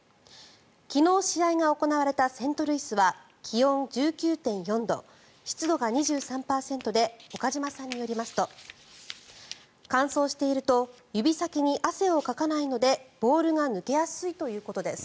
昨日、試合が行われたセントルイスは気温１９．４度湿度が２３％で岡島さんによりますと乾燥していると指先に汗をかかないのでボールが抜けやすいということです。